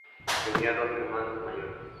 Tenía dos hermanos mayores.